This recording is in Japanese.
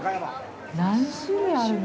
何種類あるの？